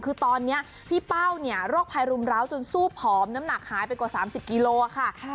คือตอนนี้พี่เป้าเนี่ยโรคภัยรุมร้าวจนสู้ผอมน้ำหนักหายไปกว่า๓๐กิโลค่ะ